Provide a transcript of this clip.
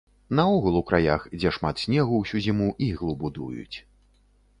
Наогул у краях, дзе шмат снегу ўсю зіму, іглу будуюць.